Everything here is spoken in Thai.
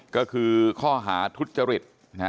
ก็คือข้อหาทุจริต